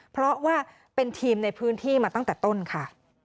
เพราะว่าเป็นทีมในพื้นที่มาตั้งแต่ต้นค่ะ